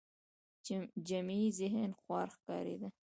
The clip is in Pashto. جمعي ذهن خوار ښکارېده